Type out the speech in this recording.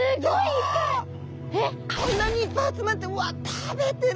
こんなにいっぱい集まってうわっ食べてる。